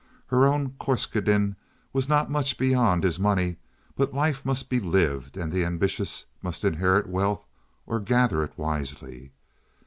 Her own Corscaden was not much beyond his money, but life must be lived and the ambitious must inherit wealth or gather it wisely.